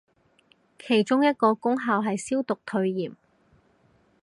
其中一個功效係消毒退炎